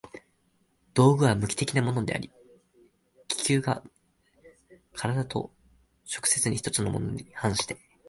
道具は無機的なものであり、器宮が身体と直接に一つのものであるに反して